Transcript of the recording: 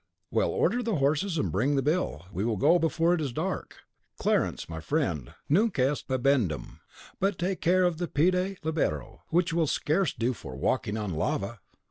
"Well, order the horses, and bring the bill; we will go before it is dark. Clarence, my friend, nunc est bibendum; but take care of the pede libero, which will scarce do for walking on lava!"